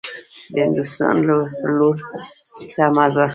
د هندوستان لور ته مه ځه.